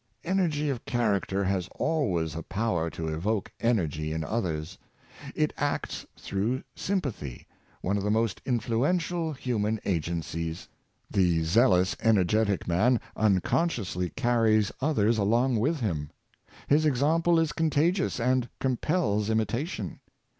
Energy of character has always a power to evoke energy in others. It acts through sympathy, one of the most influential of human agencies. The zealous, ener getic man unconsciously carries others along with him. His example is contagious, and compels imitation.